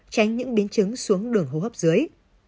tránh những biến chứng xuống đường hô hấp dưới